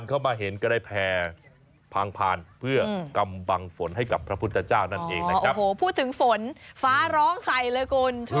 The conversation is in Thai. โอ้โหดอกจิก